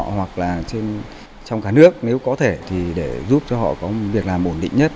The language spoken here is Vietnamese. hoặc là trong cả nước nếu có thể thì để giúp cho họ có một việc làm ổn định nhất